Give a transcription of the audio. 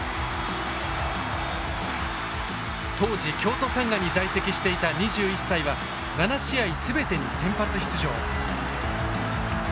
当時京都サンガに在籍していた２１歳は７試合全てに先発出場。